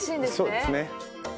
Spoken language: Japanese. そうですね。